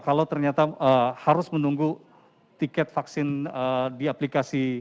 kalau ternyata harus menunggu tiket vaksin di aplikasi